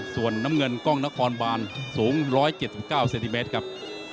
ส่วนน้ำเงินกล้องนครบานสูง๑๗๙เซนติเมตรครับ